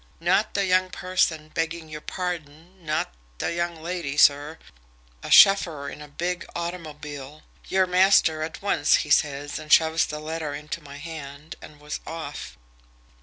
"Not the young person, begging your pardon, not the young lady, sir. A shuffer in a big automobile. 'Your master at once,' he says, and shoves the letter into my hand, and was off."